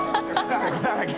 チョコだらけ。